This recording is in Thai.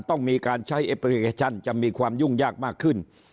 ต้องมีการใช้จะมีความยุ่งยากมากขึ้น